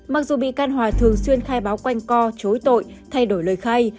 mặc dù bị can hòa thường xuyên khai báo quanh co chối tội thay đổi lời khai